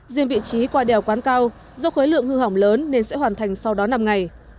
diện vị trí qua đèo quán cao do khối lượng hư hỏng lớn nên sẽ hoàn thành sau đó năm ngày